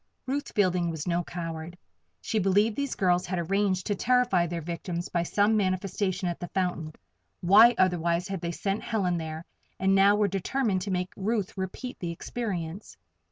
Ruth Fielding was no coward. She believed these girls had arranged to terrify their victims by some manifestation at the fountain why, otherwise, had they sent Helen there and now were determined to make Ruth repeat the experience?